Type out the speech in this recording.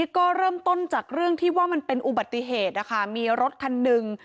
ก็เริ่มต้นจากเรื่องที่ว่ามันเป็นอุบัติเหตุนะคะมีรถคันหนึ่ง